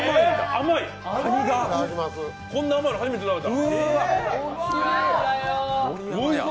こんな甘いの、初めて食べた！